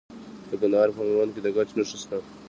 د کندهار په میوند کې د ګچ نښې شته.